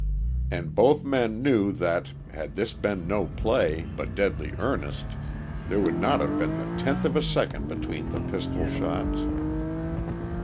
And both men knew that, had this been no play, but deadly earnest, there would not have been the tenth of a second between the pistol shots.